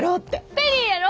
ペリーやろ！